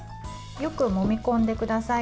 よくもみ込んでください。